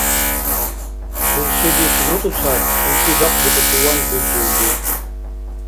Рурсилис луцӀуцад илди дахъдикӀутиван билзулри